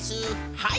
はい。